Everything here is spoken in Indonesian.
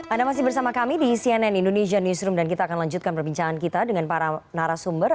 anda masih bersama kami di cnn indonesia newsroom dan kita akan lanjutkan perbincangan kita dengan para narasumber